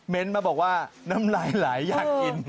เม้นต์มาบอกว่าน้ำลายหลายอยากกิน